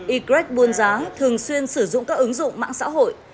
y greg buôn giá thường xuyên sử dụng các ứng dụng mạng xã hội